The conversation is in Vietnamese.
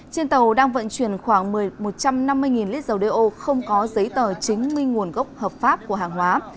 trên tàu đang vận chuyển khoảng một trăm năm mươi lít dầu đeo không có giấy tờ chứng minh nguồn gốc hợp pháp của hàng hóa